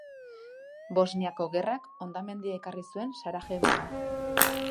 Bosniako Gerrak hondamendia ekarri zuen Sarajevora